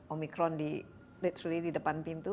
omikron di depan pintu